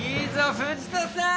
藤田さん